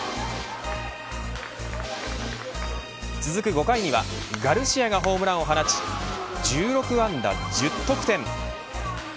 続く５回にはガルシアがホームランを放ち１６安打１０得点。